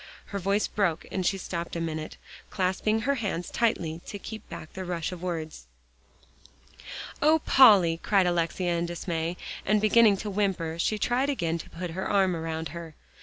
Her voice broke, and she stopped a minute, clasping her hands tightly to keep back the rush of words. "Oh, Polly!" cried Alexia in dismay, and beginning to whimper, she tried again to put her arm around her.